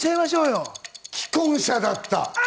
既婚者だった。